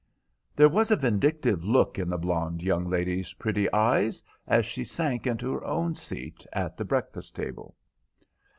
There was a vindictive look in the blonde young lady's pretty eyes as she sank into her own seat at the breakfast table.